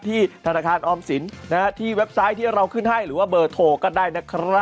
ธนาคารออมสินที่เว็บไซต์ที่เราขึ้นให้หรือว่าเบอร์โทรก็ได้นะครับ